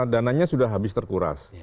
dananya sudah habis terkuras